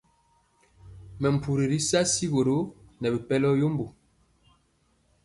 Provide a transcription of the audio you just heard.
Mɛmpuri ri sɛŋ sigoro nɛ bipɛlɔ yembo.